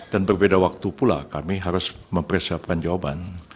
dan berbeda waktu pula kami harus mempersiapkan jawaban